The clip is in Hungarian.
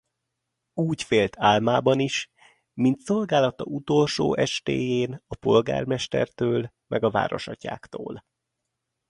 Úgy félt álmában is, mint szolgálata utolsó estéjén a polgármestertől meg a városatyáktól.